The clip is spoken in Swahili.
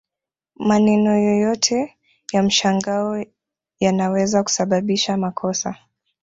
Maneno yoyote ya mshangao yanaweza kusababisha makosa